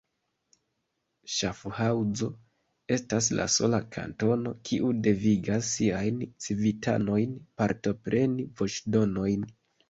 Ŝafhaŭzo estas la sola kantono, kiu devigas siajn civitanojn partopreni voĉdonojn.